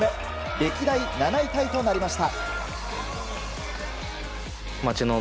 歴代７位タイとなりました。